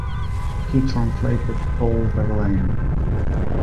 He translated Paul Verlaine.